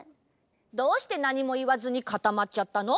どうしてなにもいわずにかたまっちゃったの？